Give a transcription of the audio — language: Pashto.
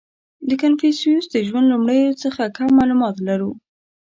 • د کنفوسیوس د ژوند لومړیو څخه کم معلومات لرو.